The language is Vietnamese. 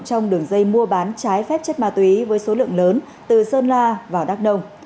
trong đường dây mua bán trái phép chất ma túy với số lượng lớn từ sơn la vào đắk nông